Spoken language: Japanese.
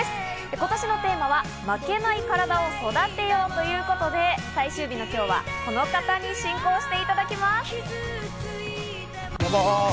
今年のテーマは「負けないカラダ、育てよう」ということで最終日の今日はこの方に進行していただきます。